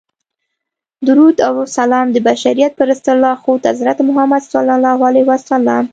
درود او سلام د بشریت په ستر لارښود حضرت محمد صلی الله علیه وسلم.